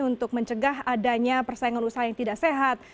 untuk mencegah adanya persaingan usaha yang tidak sehat